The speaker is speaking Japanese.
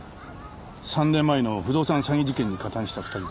３年前の不動産詐欺事件に加担した２人です。